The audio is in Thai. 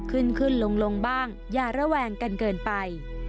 ขึ้นขึ้นลงบ้างอย่าระแวงกันเกินไป